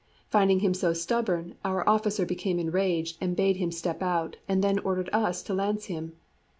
Finding him so stubborn, our officer became enraged, and bade him step out, and then ordered us to lance him.